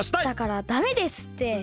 だからダメですって。